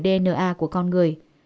dna của con người